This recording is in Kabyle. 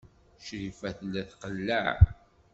Crifa tella tqelleɛ.